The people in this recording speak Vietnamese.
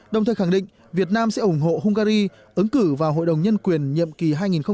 đồng thời khẳng định việt nam sẽ ủng hộ hungary ứng cử vào hội đồng nhân quyền nhiệm kỳ hai nghìn một mươi bảy hai nghìn một mươi chín